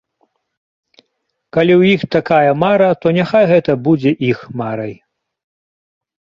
Калі ў іх такая мара, то няхай гэта будзе іх марай.